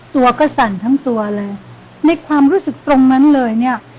ตัวก็สั่นทั้งตัวเลยในความรู้สึกตรงนั้นเลยเนี่ย